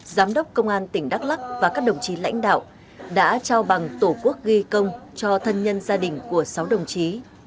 giám đốc công an tỉnh đắk lắc và các đồng chí lãnh đạo đã trao bằng tổ quốc ghi công cho thân nhân gia đình của sáu đồng chí